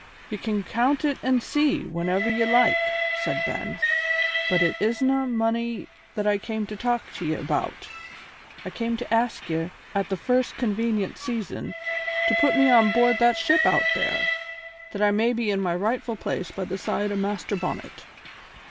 "Ye can count it an' see, whenever ye like," said Ben. "But it isna money that I came to talk to ye about. I came to ask ye, at the first convenient season, to put me on board that ship out there, that I may be in my rightful place by the side o' Master Bonnet."